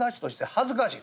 「恥ずかしい？」。